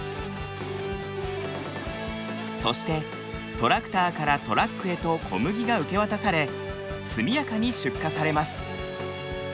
そしてトラクターからトラックへと小麦が受け渡され速やかに出荷されます。